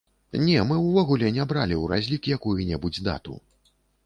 Не, мы ўвогуле не бралі ў разлік якую-небудзь дату.